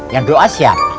yang doa siap